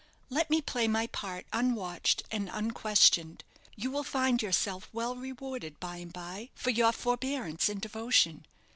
Let me play my part unwatched and unquestioned. You will find yourself well rewarded by and by for your forbearance and devotion.